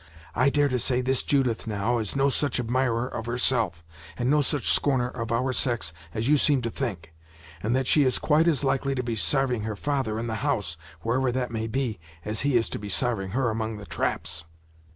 I dare to say this Judith, now, is no such admirer of herself, and no such scorner of our sex as you seem to think; and that she is quite as likely to be sarving her father in the house, wherever that may be, as he is to be sarving her among the traps."